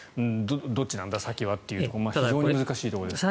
どっちなんだ、先はという非常に難しいところです。